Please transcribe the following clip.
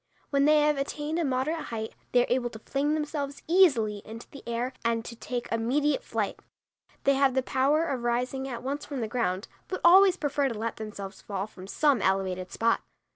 When they have attained a moderate height, they are able to fling themselves easily into the air and to take immediate flight. They have the power of rising at once from the ground, but always prefer to let themselves fall from some elevated spot.